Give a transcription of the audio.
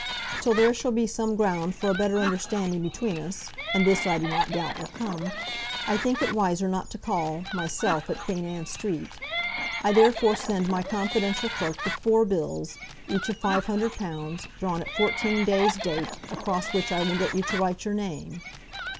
Till there shall be some ground for a better understanding between us, and this I do not doubt will come, I think it wiser not to call, myself, at Queen Anne Street. I therefore send my confidential clerk with four bills, each of five hundred pounds, drawn at fourteen days' date, across which I will get you to write your name.